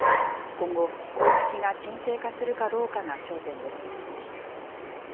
今後、攻撃が鎮静化するかどうかが焦点です。